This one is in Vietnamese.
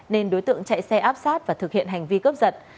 nên đối tượng chạy xe áp sát và thực hiện hành vi cướp giật